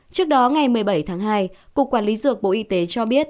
trước đó ngày một mươi bảy tháng hai cục quản lý dược bộ y tế cho biết